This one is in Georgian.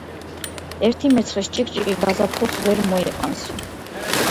ერთი მერცხლის ჭიკჭიკი გაზაფხულს ვერ მოიყვანსო.